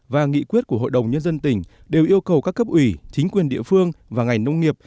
và nghị quyết của hội đồng nhân dân tỉnh đều yêu cầu các cấp ủy chính quyền địa phương và ngành nông nghiệp